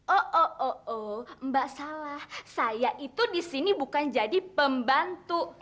oh oh oh oh mbak salah saya itu di sini bukan jadi pembantu